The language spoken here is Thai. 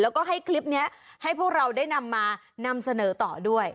แล้วก็ให้คลิปนี้ให้พวกเราได้นำมานำเสนอต่อด้วย